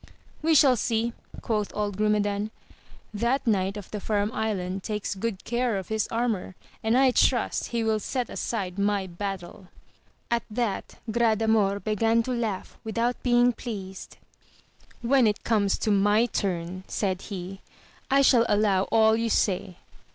We shall see ! quoth old Gromedan, that Knight of the Firm Island takes good care of his armour, and I trust he will set aside my battle. . At 6 AMADIS OF GAUL that Gradamor began to laugh without being pleased. When it "comes to my turn, said he, I shall allow all you say.